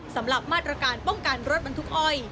สำหรับมาตรการป้องกันรถบรรทุกอ้อย